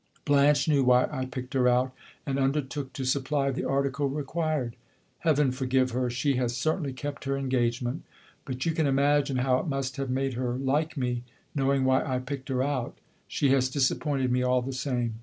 Blanche knew why I picked her out, and undertook to supply the article required. Heaven forgive her! She has certainly kept her engagement. But you can imagine how it must have made her like me knowing why I picked her out! She has disappointed me all the same.